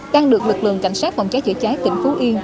đang được lực lượng cảnh sát phòng trái chữa trái tỉnh phú yên